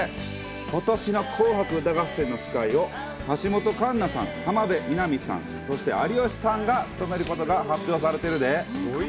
ことしの紅白歌合戦の司会を橋本環奈さん、浜辺美波さん、そして有吉さんが務めることが発表されてるで。